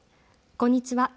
こんにちは。